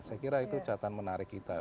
saya kira itu catatan menarik kita